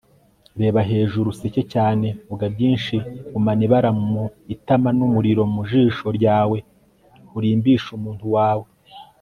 reba hejuru, useke cyane, vuga byinshi, gumana ibara mu itama n'umuriro mu jisho ryawe, urimbishe umuntu wawe